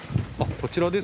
こちらです。